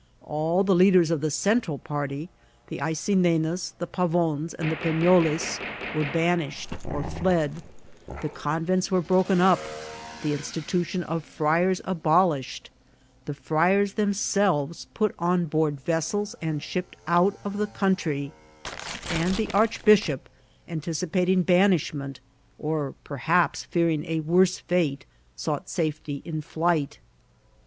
All the leaders of the Central party, the Aycinenas, the Pavons, and Penoles, were banished or fled, the convents were broken, up, the institution of friars abol ished, the friars themselves put on board vesseb and shipped out of the' country, and the archbishop, antici pating banishment, or perhaps fearing a worse fiite, sought safety in flight.